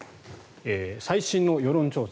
最新の世論調査